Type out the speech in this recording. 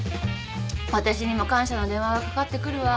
私にも感謝の電話がかかってくるわ。